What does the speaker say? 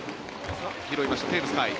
拾いました、テーブス海。